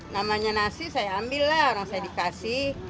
namanya nasi saya ambillah orang saya dikasih